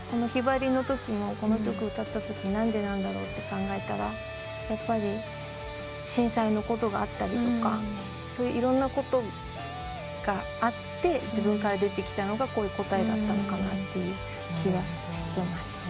『ひばり』のときもこの曲歌ったとき何でなんだろうと考えたらやっぱり震災のことがあったりそういういろんなことがあって自分から出てきたのがこういう答えだったのかなって気がしてます。